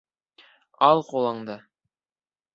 Ал ҡулыңды!..